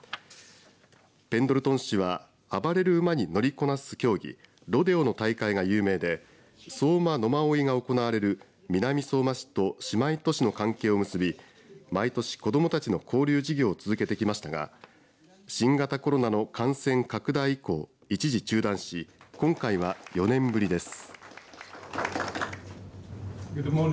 ペンドルトン市は暴れる馬に乗りこなす競技ロデオの大会が有名で相馬野馬追が行われる南相馬市と姉妹都市の関係を結び毎年、子どもたちの交流事業を続けてきましたが新型コロナの感染拡大以降一時中断し今回は４年ぶりです。